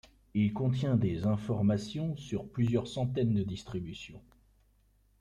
Il contient des informations sur plusieurs centaines de distributions.